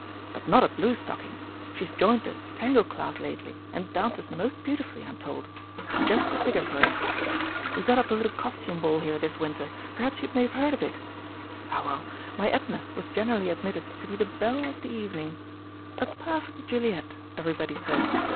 But not a blue stocking she's joined a Tango Class lately, and dances most beautifully, I'm told just the figure for it. We got up a little Costume Ball here this winter perhaps you may have heard of it? Ah, well, my Edna was generally admitted to be the belle of the evening. A perfect Juliet, everybody said.